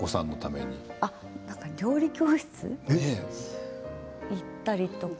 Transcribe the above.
料理教室に行ったりとか。